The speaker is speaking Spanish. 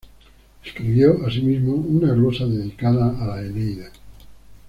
Escribió, asimismo, una glosa dedicada a "La Eneida".